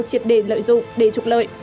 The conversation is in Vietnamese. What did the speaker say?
chiếp đề lợi dụng để trục lợi